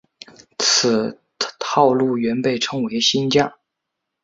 此套路原被称为新架。